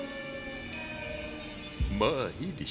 まあいいでしょう。